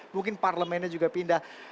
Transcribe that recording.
mungkin parlemennya juga pindah